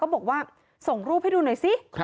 บอกว่าส่งรูปให้ดูหน่อยสิ